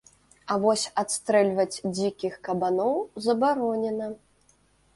А вось адстрэльваць дзікіх кабаноў забаронена.